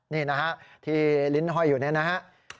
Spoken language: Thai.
นี่นะฮะที่ลิ้นห้อยอยู่นี่นะฮะ